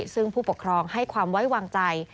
ซึ่งผู้ปกครองให้ความไว้วางใจ